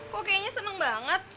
kok kayaknya seneng banget